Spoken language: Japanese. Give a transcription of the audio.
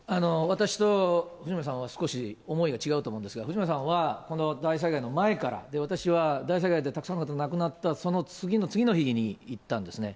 私と藤村さんは、少し思いが違うと思うんですが、藤村さんはこの大災害の前から、で、私は大災害でたくさんの方が亡くなったその次の次の日に行ったんですね。